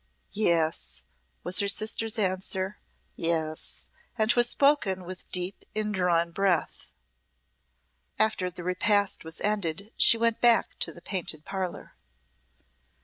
"Yes," was her sister's answer "yes." And 'twas spoken with a deep in drawn breath. After the repast was ended she went back to the Panelled Parlour.